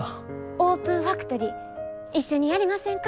オープンファクトリー一緒にやりませんか？